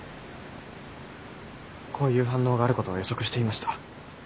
こういう反応があることは予測していました。